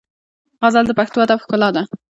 غزل د پښتو ادب ښکلا ده.